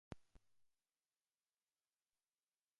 La parròquia civil inclou el petit assentament de Knighton a l'est.